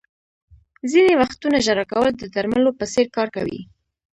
• ځینې وختونه ژړا کول د درملو په څېر کار کوي.